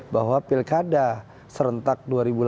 bahwa pilkada serentak